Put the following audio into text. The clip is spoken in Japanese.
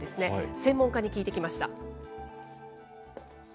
専門家に聞いてきました。